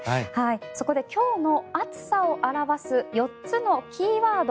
そこで今日の暑さを表す４つのキーワード